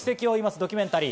ドキュメンタリー